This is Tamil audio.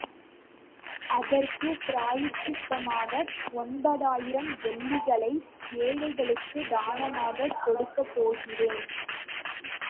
அதற்குப் பிராயச்சித்தமாக ஒன்பதாயிரம் வெள்ளிகளை ஏழைகளுக்குத் தானமாகக் கொடுக்கப் போகிறேன்.